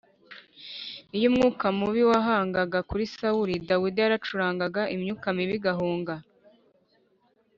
Iyo umwuka mubi wahangaga kuri sawuli, Dawidi yaracurangaga imyuka mibi igahunga